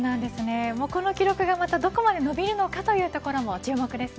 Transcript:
この記録がまたどこまで伸びるのかというのも注目ですね。